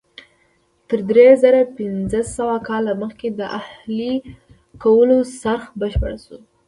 تر درې زره پنځه سوه کاله مخکې د اهلي کولو څرخ بشپړ شو.